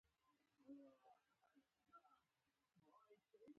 د خلکو دنیوي ژوند په تأمین کې پاتې راغلی دی.